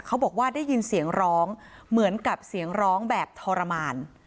เขาบอกว่าได้ยินเสียงร้องเหมือนกับเสียงร้องแบบทรมาน